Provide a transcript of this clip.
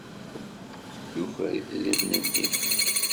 Yuker idrimen-nni.